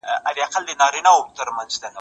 ایا ملا صاحب به نن د کبابو له خوند څخه خبر شي؟